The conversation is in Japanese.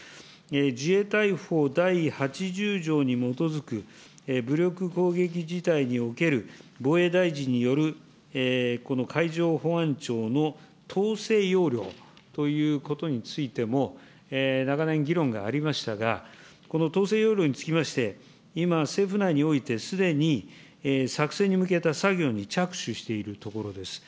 自衛隊法第８０条に基づく、武力攻撃事態における防衛大臣による海上保安庁の統制要領ということについても、長年議論がありましたが、この統制要領につきまして、今、政府内において、すでに、作成に向けた作業に着手しているところです。